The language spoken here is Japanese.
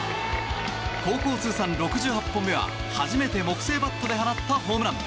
高校通算６８本目は初めて木製バットで放ったホームラン。